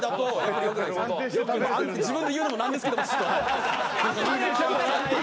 自分で言うのも何ですけどもちょっと。